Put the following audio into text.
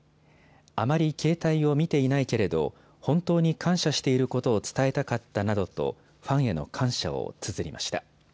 あまり携帯を見ていないけれど本当に感謝していることを伝えたかったなどとファンへの感謝をつづりました。